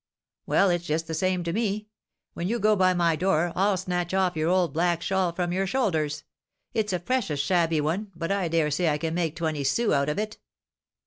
Well, it's just the same to me. When you go by my door, I'll snatch off your old black shawl from your shoulders. It's a precious shabby one; but I daresay I can make twenty sous out of it."